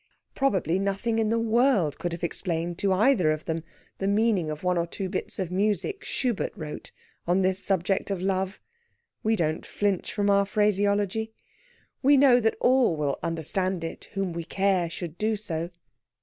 Probably nothing in the world could have explained to either of them the meaning of one or two bits of music Schubert wrote on this subject of Love we don't flinch from our phraseology; we know that all will understand it whom we care should do so.